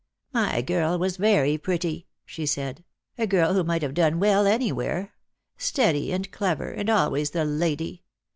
"My girl was very pretty," she said; "a' girl who might have done well anywhere — steady and clever, and always the lady.